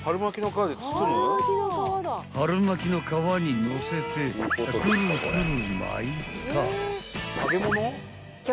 ［春巻きの皮にのせてくるくる］